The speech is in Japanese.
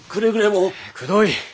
くどい！